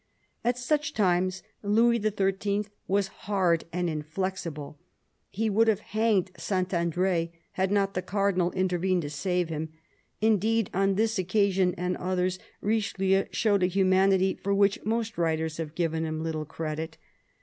At such times Louis XIII. was hard and inflexible. He would have hanged St. Andr6, had not the Cardinal inter vened to save him. Indeed, on this occasion and others, Richelieu showed a humanity for which most writers have given him little credit.